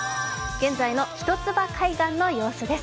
現在の一ツ葉海岸の様子です。